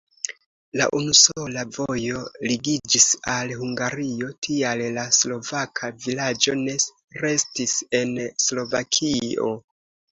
La unusola vojo ligiĝis al Hungario, tial la slovaka vilaĝo ne restis en Slovakio.